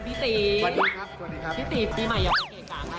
ปริโกตุอยากเกรกากใคร